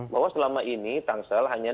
bahwa selama ini tangsel hanya